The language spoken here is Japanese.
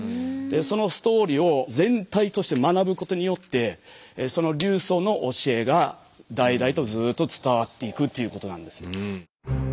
そのストーリーを全体として学ぶことによってその流祖の教えが代々とずっと伝わっていくということなんです。